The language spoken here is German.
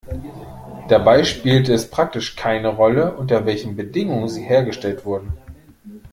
Dabei spielt es praktisch keine Rolle, unter welchen Bedingungen sie hergestellt wurden.